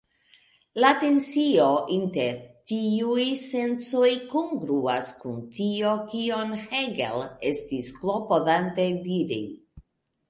La tensio inter tiuj sencoj kongruas kun tio kion Hegel estis klopodante diri.